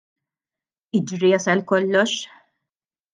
Iġri jasal kollox!